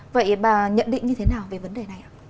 vậy bà nhận định như thế nào về vấn đề này ạ